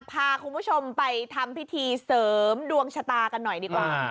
พาคุณผู้ชมไปทำพิธีเสริมดวงชะตากันหน่อยดีกว่า